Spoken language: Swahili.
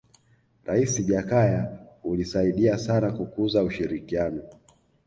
raisi jakaya ulisaidia sana kukuza ushirikiano